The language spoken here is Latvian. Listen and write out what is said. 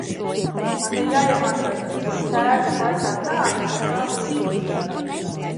Man ir jāiemācās dzīvot sērgas laikā tā, it kā tā būtu ikdiena.